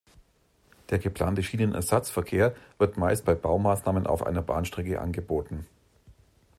Der geplante Schienenersatzverkehr wird meist bei Baumaßnahmen auf einer Bahnstrecke angeboten.